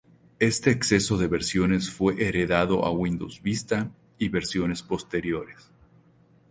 Este exceso de versiones fue heredado a Windows Vista y versiones posteriores.